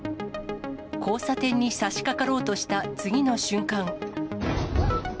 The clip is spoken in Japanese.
交差点にさしかかろうとした次の瞬間。